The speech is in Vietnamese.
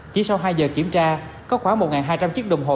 chỉ sau hai giờ kiểm tra có khoảng một hai trăm linh chiếc đồng hồ